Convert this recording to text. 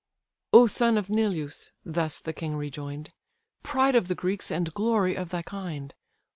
"O son of Neleus, (thus the king rejoin'd,) Pride of the Greeks, and glory of thy kind!